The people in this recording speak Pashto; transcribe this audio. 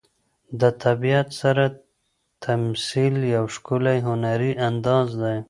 د طبیعت سره تمثیل یو ښکلی هنري انداز دی.